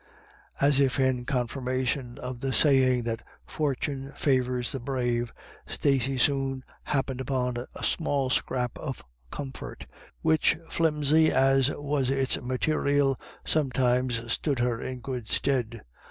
As if in confirmation of the saying that fortune favours the brave, Stacey soon happened upon a small scrap of comfort, which, flimsy as was its material, sometimes stood her in good stead.